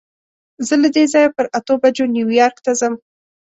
زه له دې ځایه پر اتو بجو نیویارک ته ځم.